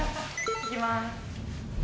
いきます！